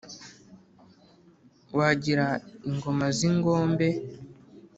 wagira ingoma z’ingombe